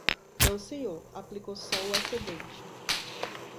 Não senhor, aplicou só o excedente.